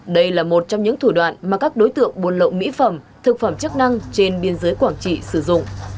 đây là một trong những thủ đoạn mà các đối tượng buôn lậu mỹ phẩm thực phẩm chức năng trên biên giới quảng trị sử dụng